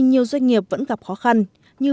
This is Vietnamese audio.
nhiều doanh nghiệp vẫn gặp khó khăn như